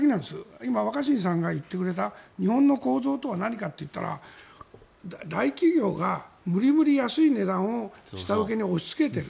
今、若新さんが言ってくれた日本の構造とは何かというと大企業が無理無理安い値段を下請けに押しつけてる。